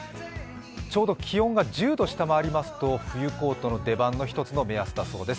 ちょうど気温が１０度を下回りますと冬コートの出番の一つの目安だそうです。